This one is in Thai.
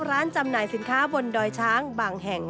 จำหน่ายสินค้าบนดอยช้างบางแห่ง